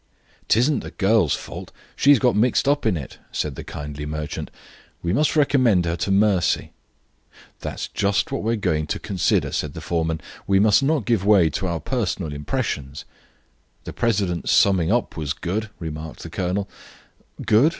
"'Tisn't the girl's fault. She's got mixed up in it," said the kindly merchant. "We must recommend her to mercy." "That's just what we are going to consider," said the foreman. "We must not give way to our personal impressions." "The president's summing up was good," remarked the colonel. "Good?